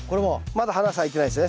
まだ花咲いてないですね